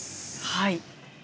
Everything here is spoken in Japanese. はい。